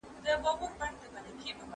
پاڼه به نور د رحیم خبرو ته ځواب ورنه کړي.